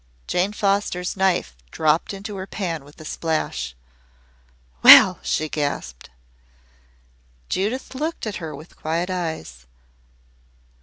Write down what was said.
Jane Foster's knife dropped into her pan with a splash. "Well," she gasped. Judith looked at her with quiet eyes.